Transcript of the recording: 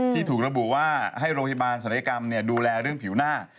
ที่ถูกระบุว่าให้โรงพยาบาลศัลยกรรมดูแลเรื่องผิวหน้า